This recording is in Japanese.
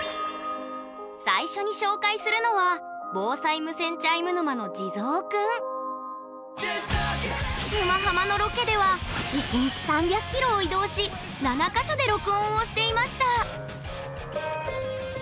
最初に紹介するのは「沼ハマ」のロケでは１日３００キロを移動し７か所で録音をしていました